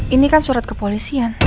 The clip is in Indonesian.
ini kan surat kepolisian